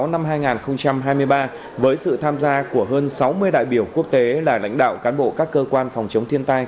năm hai nghìn hai mươi ba với sự tham gia của hơn sáu mươi đại biểu quốc tế là lãnh đạo cán bộ các cơ quan phòng chống thiên tai